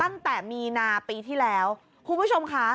ตั้งแต่มีนาปีที่แล้วคุณผู้ชมค่ะ